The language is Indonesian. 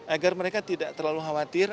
agar mereka tidak terlalu khawatir